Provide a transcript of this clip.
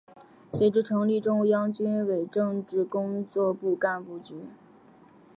随之成立中央军委政治工作部干部局。